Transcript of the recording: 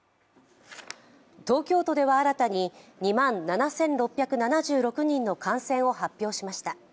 東京都では新たに２万７６７６人の感染を発表しました。